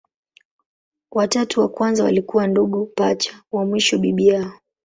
Watatu wa kwanza walikuwa ndugu pacha, wa mwisho bibi yao.